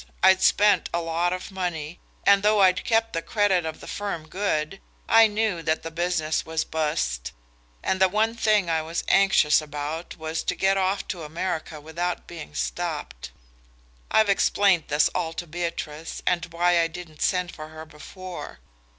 I'd spent a lot of money, and though I'd kept the credit of the firm good, I knew that the business was bust, and the one thing I was anxious about was to get off to America without being stopped. I've explained this all to Beatrice, and why I didn't send for her before.